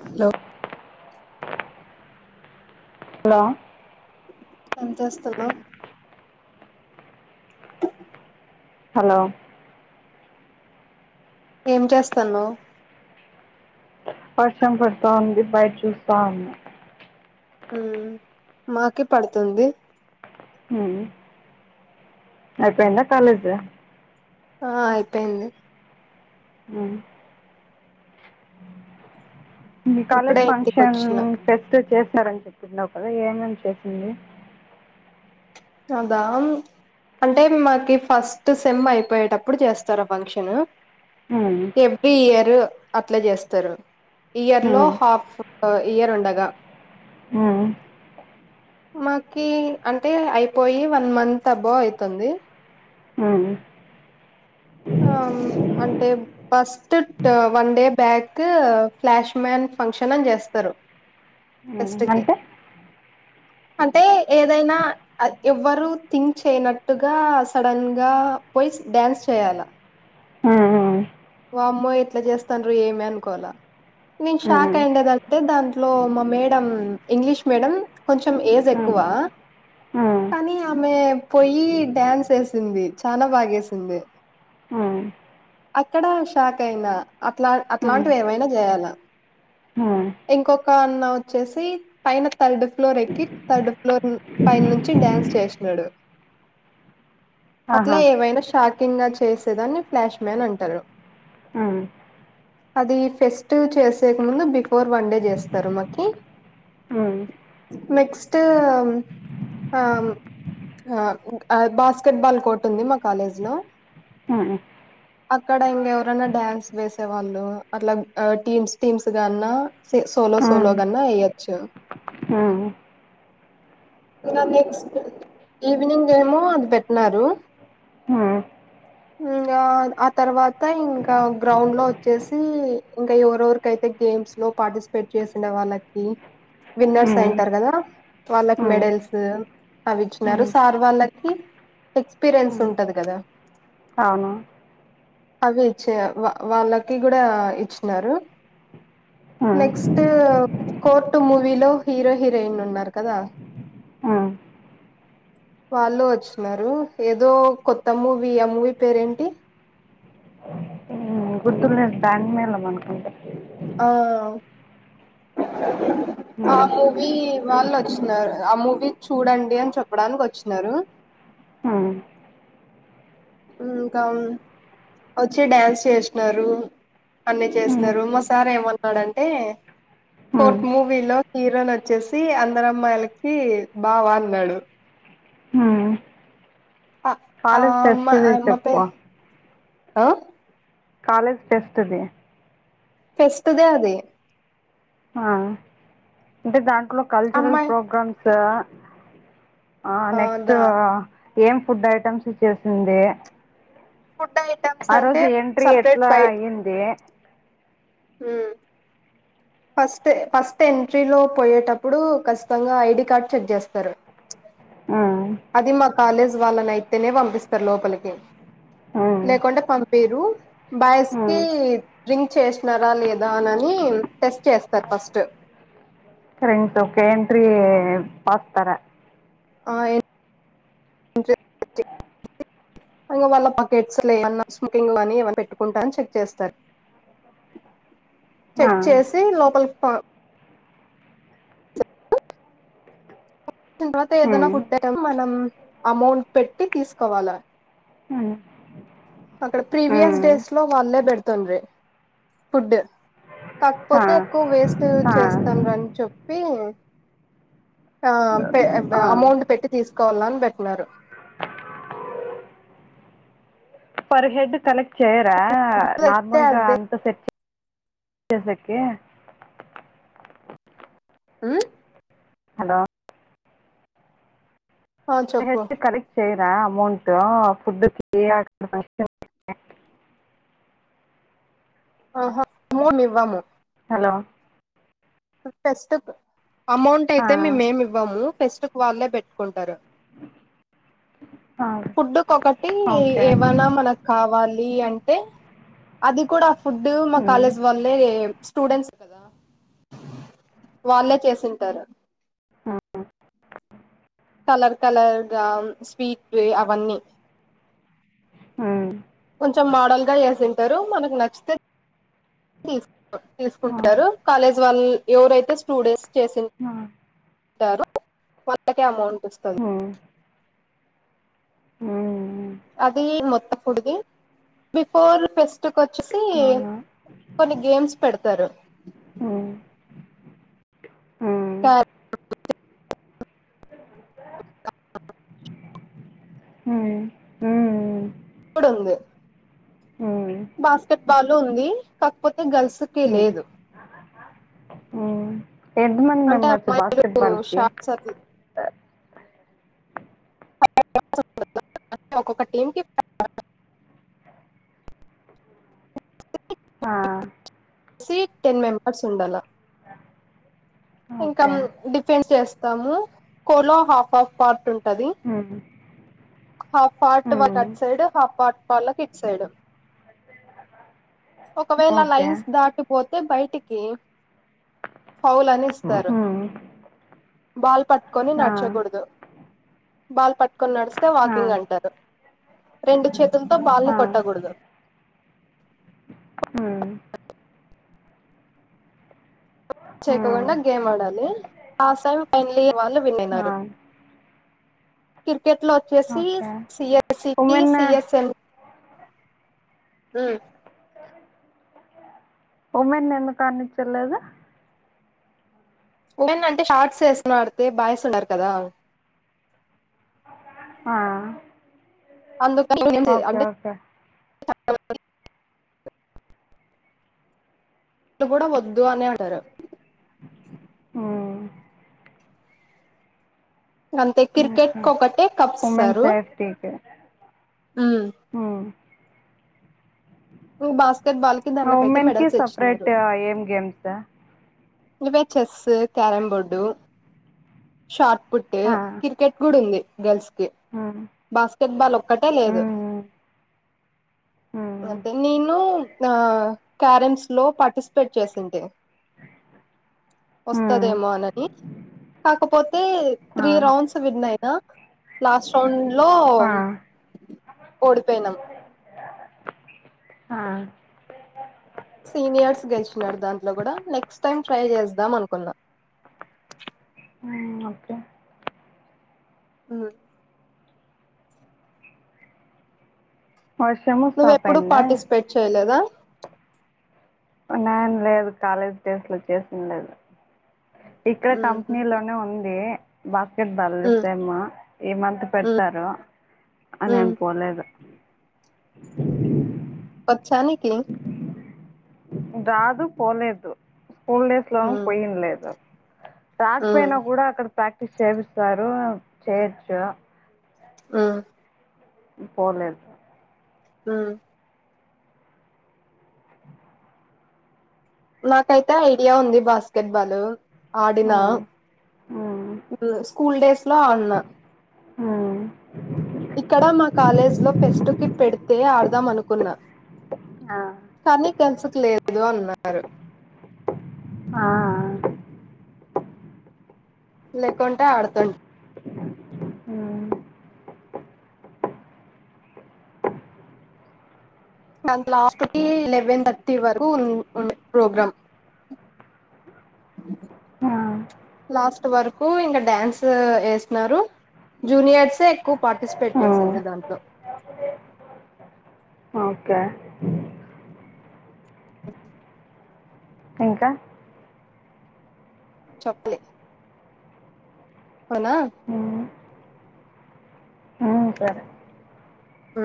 Hello hello ఏం చేస్తున్నావ్ hello ఏం చేస్తాన్నావ్ వర్షం పడతా ఉంది బయట చూస్తా ఉన్నా ఉమ్ మాకి పడుతుంది ఉమ్ అయిపోయిందా కాలేజ్ ఆ అయిపోయింది ఉమ్ మీ కాలేజ్ ఇప్పుడే ఇంటికి ఫంక్షన్ వచ్చిన ఫెస్ట్ చేస్ రని చెప్తున్నావు కదా ఏమేమి చేసింది అదా అంటే మాకి ఫస్ట్ సెమ్ అయిపోయేటప్పుడు చేస్తారు ఫంక్షన్ మ్మ్. ఎవ్రీ ఇయరు అట్ల చేస్తారు ఇయర్ లో మ్మ్. హాఫ్ అహ్ ఇయర్ ఉండగా ఉ మాకి అంటే అయి పోయి వన్ మంత్ అబోవ్ అయితుంది మ్మ్. ఆ అంటే first one day back flash man function అని చేస్తారు ఫస్ట్ కి అంటే అంటే ఏదైనా ఎవ్వరు థింక్ చేయనట్టుగా సడన్ గా పోయి డ్యాన్స్ చేయాలా మ్మ్. వామ్మో ఎట్లచేస్తాండ్రి ఏమి అనుకోవాలా నేను షాక్ మ్మ్. అయ్యిందేది అంటే దాన్ ట్లో మా మేడం ఇంగ్లీష్ మేడం కొంచెం ఏజ్ మ్మ్. ఎక్కువ మ్మ్. కానీ ఆమె పోయి డ్యాన్స్ ఏసింది చనా బాగేసింది ఆ అక్కడ షాక్ అయినా అప్ అట్లా అట్లాంటివి ఏమైనా చేయాలా ఆ క అన్న వచ్చేసి పైన థర్డ్ ఫ్లోర్ ఎక్కి థర్డ్ ఫ్లోర్ పైనుంచి డ్యాన్స్ చేసినాడు అట్లా ఆహా ఏవైనా షాక్ కింగా చేసేదాని ఫ్లాష్ మ్యాన్ అంటరు ఆ అది ఫెస్ట్ చేసేకి ముందు బి ఫోర్ వన్ డే చేస్తారు మాకి మ్మ్. నెక్స్ట్ ఆ ఆ బాస్కెట్ బాల్ కోర్ట్ ఉంది మా కాలేజ్ లో మ్మ్. అక్కడ ఇంగ ఎవరనా డ్యాన్స్ వేసే వాళ్ళు అట్లా టీమ్స్ టీమ్స్ గా అన్నా స సోలో మ్మ్. సోలగాన్నా వేయచ్చు మ్మ్. మ్మ్. ఇకా నెక్స్ట్ ఈవినింగ్ ఏమో అది పెట్టినారు ఇంకా ఆ తర్వాత ఇంకా గ్రౌండ్ లో వచ్చేసి ఇంకా ఎవరెవరికైతే గేమ్స్ లో పార్టిసిపేట్ చేసిండే వాళ్ళకి విన్నర్స్ మ్మ్. అయింటారు కదా వాళ్ళ మెడల్స్ అవి మ్మ్. ఇచ్చినారు సార్ వాళ్ళ కి ఎక్స్పీరియన్స్ మ్మ్. ఉంటది కదా అవును అవి ఇచ్చే వా వాళ్ళకి కూడా ఇచ్చినారు నెక్స్టు కోర్టు మూవీలో హీరో హీరోయిన్ ఉన్నారు కదా వాళ్ళు వచ్చినారు ఏదో కొత్తమూవీ ఆమూవీ పేరేంటి గుతుల్లే బ్యాండ్ మేళం అనుకుంట ఆ ఆ మూవీ వాళ్ళు వచ్చినారు ఆ మూవీ చూడండి అని చెప్పడానికి వచ్చినారు ఇంకా వచ్చి డ్యాన్స్ చేసినారు అన్ని చేసినారు మాసార్ ఏమన్నాడంటే కోర్ట్ మూవీలో హీరోయిన్ వచ్చేసి అందర అమ్మాయిలకి బావ అన్నాడు ఆ ఆ కాలేజ్ అమ్మ ఫెస్ట్ గురించి అమ్మ పే చెప్పు ఆ కాలేజ్ ఫెస్ట్ అది ఫెస్ట్ దే అది ఆ ఇంట ద ఎ కల్చరల్ అమ్మాయి ప్రోగ్రామ్స్ ఆ నెక్స్ట్ ఏం ఫుడ్ ఐటెమ్స్ చేసింది ఫుడ్ ఐటమ్స్ ఆ అంటే రోజు ఎంట్రీ సపరేట్ ఎట్లా బైట్ అయ్యింది మ్మ్ ఫస్ట్ ఫస్ట్ ఎంట్రీలో పోయేటప్పుడు ఖచ్చితంగా ఐడి కార్డ్ చెక్ చేస్తారు అది మ కాలేజ్ వాళ్ళనైతేనే పంపిస్తారు లోపలికి లేకుంటె పంపిరు బస్కి డ్రింక్ చేసినారా లేదా అననని రెంస్ ఓకే ఎంట్రీ పాస్తర ఆ ఇ వాళ్ళ పకెట్స్ లేన్నా స్కింగ్ కాని ఏ పెట్టుకుంటాని చెక్ చేస్తారు చెక్ చేసి లోపలికి ిన తర్వాత ఏదనా ఫుడ్ పాస్తారా అ మనం అమౌంట్ పెట్టి తీసుకోవాలా మ్మ్ అక్కడ ప్రీవియస్ డేస్ లో వాళ్లే పెడ తారు ఫుడ్ కాకపోతే ఎక్కువ వేస్ట్ చేస్తనని చెప్పి అమౌంట్ పెట్టి తీసుకు కోాలని పెట్టినన్నారు పర్ హెడ్ కలెక్ట్ చేయాల అయితే నార్మల్గా అదే అంత సెట్ చేసకే మ్మ్ హలో ఆ చెప్పు కరెక్ట్ కలెక్ట్ చేయం అమౌంటట్ ఫుడ్్ ఆహ మో నివ్వము హలో పెస్తుకు అమౌంట్ అయితే మేమేమి ఇవ్వము ఫెస్ట్ వాళ్ళే పెట్టుకుంటారు ఫుడ్డు కోకటి ఓకే ఏవన్నా మనకు కావాలి ఇ అంటే అది కూడా ఫుడ్ మా అవును కాలేజ్ వాళ్లే స్టూడెంట్స్ కదా వాళ్ళే చేసింటారు మ్ కలర్ కలర్ గా స్వీట్ అవన్నీ కొంచెం మోడల్ గా చేసి తారు మనకు నచ్చితే తీస్ తీసుకుంటారు కాలేజ్ వాళ్ళ్ ఎవరైతే స్టూడెస్ చేసిన్ టారు వాళ్ళకే అమౌంట్ వస్తాను మ్మ్ అది మొత్తం ఫుడిది బిఫోర్ ఫెస్ టు కొచ్చేసి కొన్ని గేమ్స్ పెడతారు [unintelligible] మ్ ఈ మ్ కుడుంగు ఉమ్, బాస్కెట్ బాల్ టు ఉంది కాకపోతే గర్ల్స్ కి లేదు హు ఎంత మంది అంటే మెంబర్స్ అమ్మాయిలు బాస్కెట్ బాల్ కి షార్ట్స్ అట్ల [unintelligible] ఒక్కొక్క టీం కి [unintelligible] ఆ సీట్ టెన్ మెంబర్స్ ఉండాలా ఇంకా ఓకే. డిఫెన్స్ చేస్ స్తాము కోలో హాఫ్ హాఫ్ పార్ట్ ఉంట్ టాది హ్మ్. హఫ్ పాట్ట్ వక్ హ్మ్. సైడ్ హాఫ్ పార్ట్ వాళ్లకి ఇటు సైడ్. ఒకవేళ ఓకే. లైన్స్ దాటిపోతే. పోతే బయటికి పౌలని సరు హ్మ్. బాల్ పట్టుకొని ఆ! నడుచకూడదు, బాల్ పట్టుకొని. కొని నడిస్తే ఆ! వాకింగ్ అంటారు. రెండు చేతులతో బాల్ ని ఆ! కొట్టకూడదు. హు హ్మ్. చెక్కకుండ గేమ్ ఆడాలి. లాస్ట్ టైం ఫైనల్ ఇయర్ వాళ్లు విన్ ఆ! అయినారు, టికెట్లో వచ్చేసి ఓకే. సిఎస్ ఉమెన్ సిఎస్ఎం, ఊహు ఉమెన్ ఎందుకు అనించలేదు. ఉమెన్ అంటే. షార్ట్స్ ఏసుకొని ఆడితే బాయ్స్ ఉన్నారు కదా, ఆ అందుకని ఏం చేయ ఓకే. అంటే ఓకే. ఇడు కూడా వద్దు అని అంటారు. ఉహు అంతే ఓకే. క్రికెట్ ఒకటే కప్పు ఇస్తారు. ఉహు బాస్ ఉమెన్ కి సపరేట్ ఏం గేమ్స్, ఇవే chess carrom board shot put ఆ! క్రికెట్ కూడా ఉంది గర్ల్స్ హ్మ్. కిబాస్కెట్ బాల్ ఒక్కటే లేదు. మ్మ్ మ్మ్ అంటే నేను, ఆ క్యారమ్స్ లో పార్టిసిపేట్ చేసి ఉంటి, మ్మ్ వస్తదేమో అనని కాకపోతే. ఆ త్రీ రౌండ్స్ విన్ అయినా, లాస్ట్ రౌండ్ లో ఆ ఓడిపోయినాం ఆ సీనియర్స్ గెలిచినారు. దాంట్లో కూడా. న నెక్స్ట్ టైమ్. ట్రై చేద్దాం అనుకున్నా, హు ఓకే అవు వర్షము నువ్వు స్టాప్ ఎప్పుడు అయిందా పార్టిసిపేట్ చెయలేదా, ఉన్నాయను లేదు కాలేజ్ డేస్ లో చేసిన లేదు ఇక్కడ ఉమ్, కంపెనీలోనే ఉంది బ బదిలి ఉమ్, సేమ్ ఈ మంత్ పెడతారు నేను ఉమ్. పోలేదు చ్చానికి రాదు పోలేదు స్కూల్ డేస్ లో ఉమ్, పోయింలేదు రాక ఉమ్, పొయిన కూడా అక్కడ ప్రాక్టీస్ చేపిస్తారు చేయొచ్చు ఆ పోలేదు ఆ నాకైతే ఐడియా ఉంది బాస్కెట్ బాలు ఆడినా మ్మ్ స్కూల్ డేస్ లో ఆడినా మ్మ్ ఇక్కడ మా కాలేజ్ లో ఫెస్ట్ కి పెడితే ఆడదాం అనుకున్నా ఆ కానీ గల్స్ కూ లేదు అన్నా సరు ఆ లేకుంటే ఆడతుండె హ్మ్ నన్ను లాస్ట్ కి లెవెన్ థర్టీ వరకు ఉ ఉ ప్రోగ్రాం ఆ లాస్ట్ వరకు ఇంకా డ్యాన్స్ వేస్తున్నారు జూనియర్స్ ఎక్కువ పార్టిసిపేట్ హ్మ్ చేసింది దాంట్లో ఓకే అ ఇంకా చప్లీ అవునా హ్మ్ ఆ సరే ఆ